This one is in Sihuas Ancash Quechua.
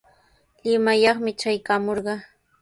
Limayaqmi traykamurqaa.